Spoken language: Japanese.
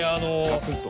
ガツンと。